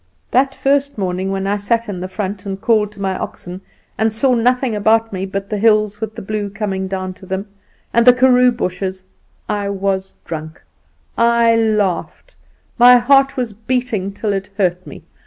"That first morning, when I sat in the front and called to my oxen, and saw nothing about me but the hills, with the blue coming down to them, and the karoo bushes, I was drunk; I laughed; my heart was beating till it hurt me.